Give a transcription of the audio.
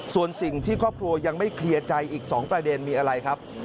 ส่วนสิ่งที่ครอบครัวยังไม่เคลียร์ใจอีก๒ประเด็นมีอะไรครับ